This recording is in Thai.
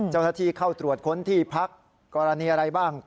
เจ้าหน้าที่เข้าตรวจค้นที่พักกรณีอะไรบ้าง